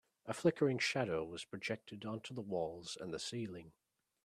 A flickering shadow was projected onto the walls and the ceiling.